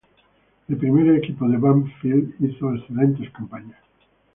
El primer equipo de Banfield hizo excelentes campañas